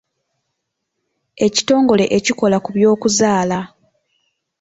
Ekitongole ekikola ku byokuzaala.